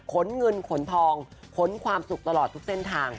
ขนเงินขนทองขนความสุขตลอดทุกเส้นทาง